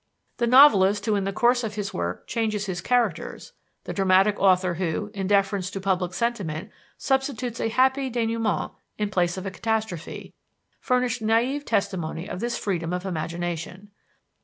The novelist who in the course of his work changes his characters; the dramatic author who, in deference to public sentiment, substitutes a happy denoûement in place of a catastrophe, furnish naïve testimony of this freedom of imagination.